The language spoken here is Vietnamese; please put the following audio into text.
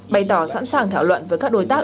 bày tỏ sẵn sàng thảo luận với các đối tác